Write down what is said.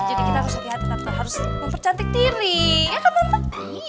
hai jadi kita harus hati hati tante harus mempercantik diri ya kan tante